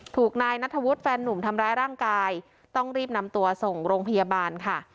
ถูกนายนัทธวุฒิแฟนนุ่มทำร้ายร่างกายต้องรีบนำตัวส่งโรงพยาบาลค่ะ